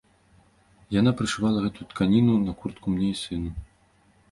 Яна прышывала гэтую тканіну на куртку мне і сыну.